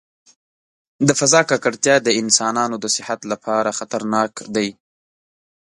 د فضا ککړتیا د انسانانو د صحت لپاره خطرناک دی.